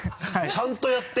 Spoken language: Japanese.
ちゃんとやって！